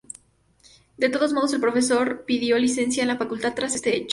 De todos modos, el profesor pidió licencia en la facultad, tras este hecho.